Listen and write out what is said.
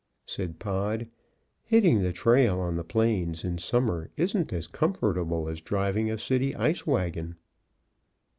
Said Pod, "Hitting the trail on the plains in summer isn't as comfortable as driving a city ice wagon.